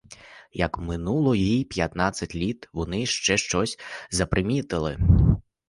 Як минуло їй п'ятнадцять літ, вони ще щось запримітили.